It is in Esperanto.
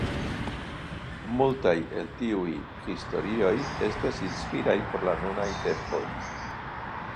Multaj el tiuj historioj estas inspiraj por la nunaj tempoj.